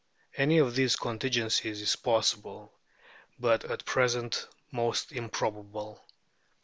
Any of these contingencies is possible, but at present most improbable.